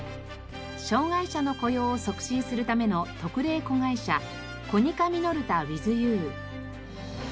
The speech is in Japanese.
障がい者の雇用を促進するための特例子会社コニカミノルタウイズユー。